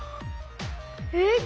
えっ